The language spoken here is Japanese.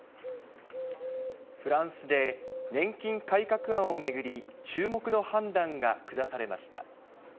フランスで年金改革案を巡り、注目の判断が下されました。